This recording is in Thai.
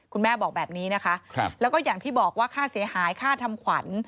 คุณแม่บอกแบบนี้นะคะแล้วก็อย่างที่บอกว่าค่าเสียหายค่าทำขวัญ